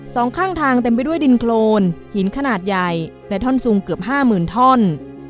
สองข้างทางเต็มไปด้วยดินโครนหินขนาดใหญ่และท่อนซุงเกือบห้าหมื่นท่อน